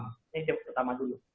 ini yang pertama dulu